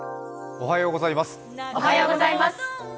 おはようございます。